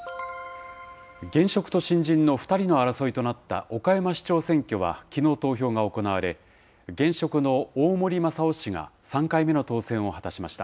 現職と新人の２人の争いとなった岡山市長選挙はきのう投票が行われ、現職の大森雅夫氏が３回目の当選を果たしました。